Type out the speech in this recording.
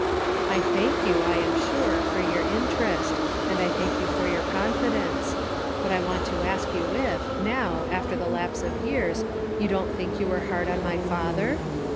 " 1 thank you, I am sure, for your inter est; and I thank you for your confidence. But I want to ask you if, now, after the lapse of years, you don't think you were hard on my father?